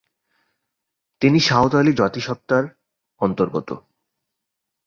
তিনি সাঁওতালি জাতিসত্তার অন্তর্গত।